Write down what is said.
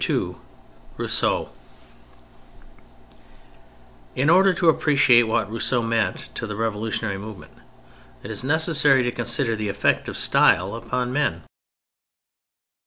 II ROUSSEAU In order to appreciate what Rousseau meant to the revolutionary movement, it is necessary to consider the effect of style upon men.